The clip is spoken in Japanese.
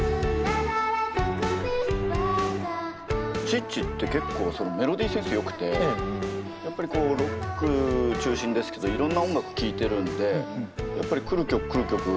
チッチって結構そのメロディーセンスよくてやっぱりこうロック中心ですけどいろんな音楽聴いてるんでやっぱり来る曲来る曲